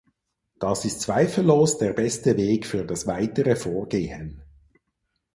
Das ist zweifellos der beste Weg für das weitere Vorgehen.